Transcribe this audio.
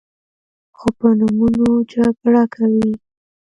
خو په نومونو جګړه کوي.